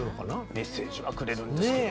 メッセージはくれるんですけどね。